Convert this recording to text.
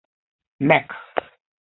nek